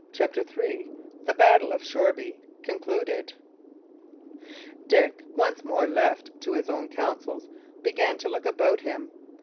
CHAPTER III THE BATTLE OF SHOREBY (Concluded) Dick, once more left to his own counsels, began to look about him.